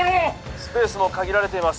スペースも限られています